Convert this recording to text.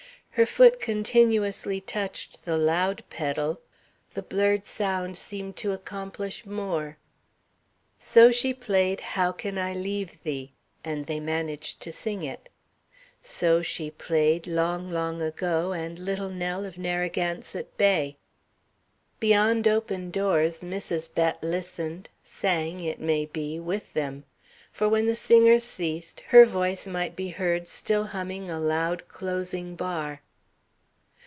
Her foot continuously touched the loud pedal the blurred sound seemed to accomplish more. So she played "How Can I Leave Thee," and they managed to sing it. So she played "Long, Long Ago," and "Little Nell of Narragansett Bay." Beyond open doors, Mrs. Bett listened, sang, it may be, with them; for when the singers ceased, her voice might be heard still humming a loud closing bar.